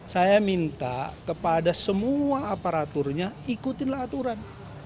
saya minta kepada semua aparaturnya ikutinlah aturan